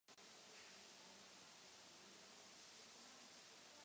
Více než čtyři pětiny obyvatel žije v obecní jednotce Patra.